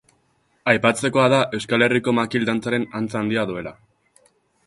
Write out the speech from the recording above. Aipatzekoa da Euskal Herriko makil dantzaren antza handia duela.